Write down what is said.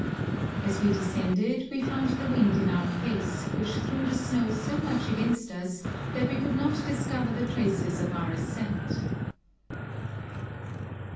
As we descended we found the wind in our face, which threw the snow so much against us that we could not discover the traces of our ascent."